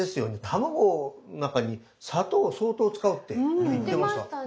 卵の中に砂糖を相当使うって言ってました。